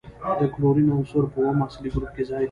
د کلورین عنصر په اووم اصلي ګروپ کې ځای لري.